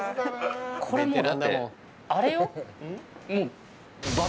これもうだってあれよ